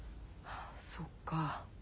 そっか。